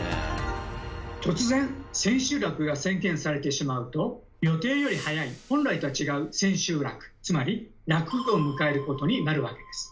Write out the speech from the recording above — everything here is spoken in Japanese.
突然千秋楽が宣言されてしまうと予定より早い本来とは違う千秋楽つまり楽を迎えることになるわけです。